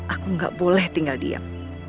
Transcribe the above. aku nggak boleh tinggal diam